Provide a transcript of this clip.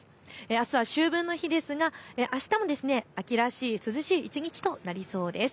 あすは秋分の日ですがあしたも秋らしい涼しい一日となりそうです。